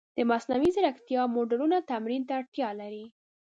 د مصنوعي ځیرکتیا موډلونه تمرین ته اړتیا لري.